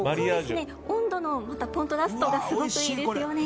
温度のコントラストがすごくいいですよね。